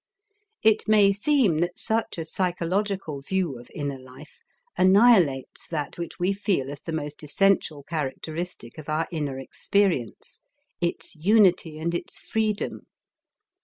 It may seem that such a psychological view of inner life annihilates that which we feel as the most essential characteristic of our inner experience, its unity and its freedom.